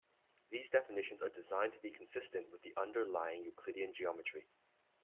These definitions are designed to be consistent with the underlying Euclidean geometry.